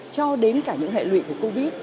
cho đến cả những hệ lụy của covid